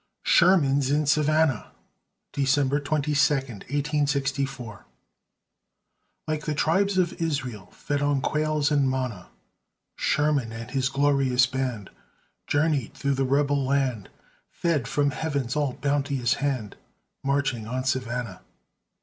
SHERMAN'S IN SAVANNAH [December 22, 1864] Like the tribes of Israel, Fed on quails and manna, Sherman and his glorious band Journeyed through the rebel land, Fed from Heaven's all bounteous hand, Marching on Savannah!